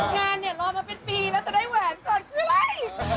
งานเนี่ยรอมาเป็นปีแล้วจะได้แหวนก่อนคืออะไร